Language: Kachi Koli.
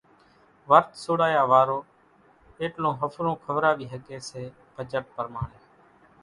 ورت سوڙايا وارو ايٽلون ۿڦرو کوراوي ۿڳي سي پُڄت پرماڻي،